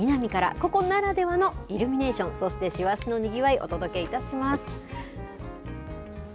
ここならではのイルミネーション、そして師走のにぎわい、お届けいたします。